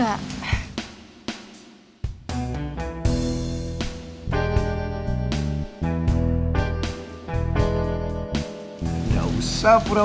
alin aku mau ke rumah